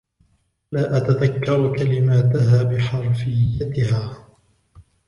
لا أتذكر كلماتها بحَرفيّتها.